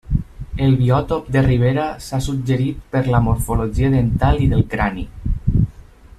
El biòtop de ribera s'ha suggerit per la morfologia dental i del crani.